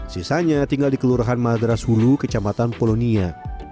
sisanya tinggal di kelurahan madras hulu kecamatan polonia